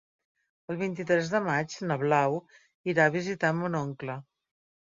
El vint-i-tres de maig na Blau irà a visitar mon oncle.